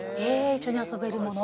一緒に遊べるもの？